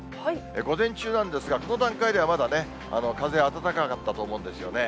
午前中なんですが、この段階では風まだ、暖かかったと思うんですね。